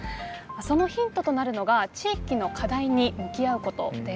そのヒントとなるのが地域の課題に向き合うことです。